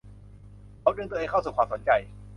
เขาดึงตัวเองเข้าสู่ความสนใจ